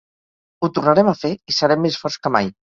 Ho tornarem a fer i serem més forts que mai.